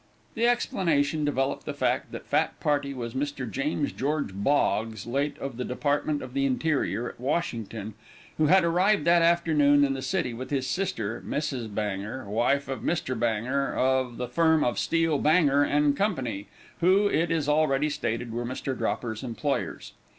The explanation developed the fact that fat party was Mr. James George Boggs, late of the Department of the Interior, at Washington, who had arrived that afternoon in the city with his sister, Mrs. Banger, wife of Mr. Banger, of the firm of Steel, Banger & Co., who, it is already stated, were Mr. Dropper's employers.